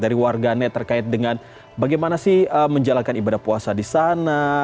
dari warganet terkait dengan bagaimana sih menjalankan ibadah puasa di sana